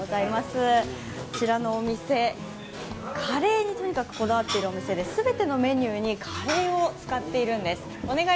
こらのお店、カレーにとにかくこだわっているお店で全てのメニューにカレーを使っているんです。